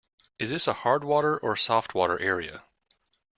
Is this a hard water or a soft water area?